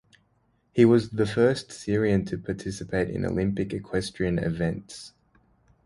He was the first Syrian to participate in Olympic equestrian events.